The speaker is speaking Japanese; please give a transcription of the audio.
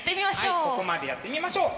はいここまでやってみましょう。